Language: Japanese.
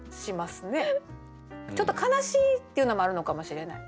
ちょっと悲しいっていうのもあるのかもしれない。